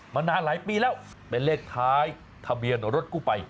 มานานหลายปีแล้วเป็นเลขท้ายทะเบียนรถกู้ภัย